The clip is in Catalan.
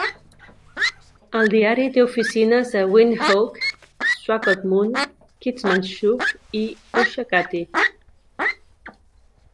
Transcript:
El diari té oficines a Windhoek, Swakopmund, Keetmanshoop i Oshakati.